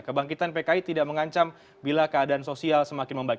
kebangkitan pki tidak mengancam bila keadaan sosial semakin membaik